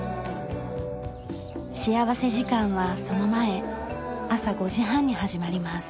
幸福時間はその前朝５時半に始まります。